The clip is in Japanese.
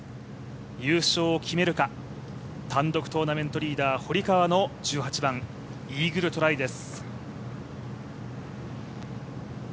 優勝を決めるか、単独トーナメントリーダー、堀川の１８番イーグルトライです。